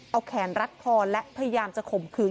เอาแขนรัดคอและพยายามจะข่มขืน